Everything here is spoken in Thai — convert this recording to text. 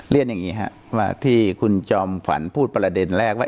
เรียนอย่างนี้ครับว่าที่คุณจอมขวัญพูดประเด็นแรกว่า